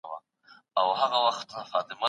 پوښتنې باید په منظم چوکاټ کې وي.